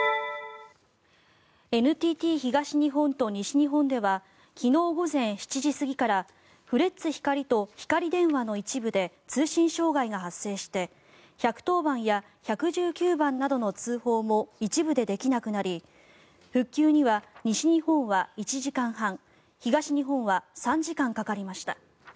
ＮＴＴ東日本と西日本では昨日午前７時過ぎからフレッツ光とひかり電話の一部で通信障害が発生して１１０番や１１９番などの通報も一部でできなくなり復旧には、西日本は１時間半東日本は３時間かかりました。